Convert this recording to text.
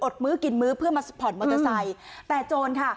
มื้อกินมื้อเพื่อมาผ่อนมอเตอร์ไซค์แต่โจรค่ะ